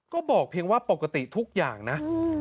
ก็บอกเพียงว่าปกติทุกอย่างนะ